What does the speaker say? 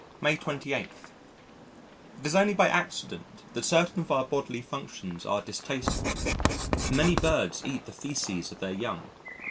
May 28. It is only by accident that certain of our bodily functions are distasteful. Many birds eat the faeces of their young.